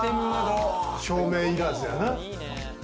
照明いらずやな。